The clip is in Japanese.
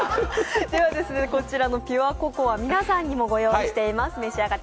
こちらのピュアココア、皆さんにご用意しております。